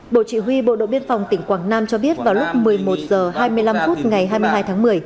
bộ chỉ huy bộ đội biên phòng tỉnh quảng nam cho biết vào lúc một mươi một h hai mươi năm phút ngày hai mươi hai tháng một mươi